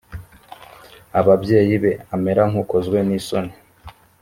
ababyeyi be amera nk ukozwe n isoni